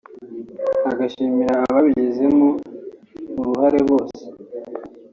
agashimira ababigizemo uruhare bose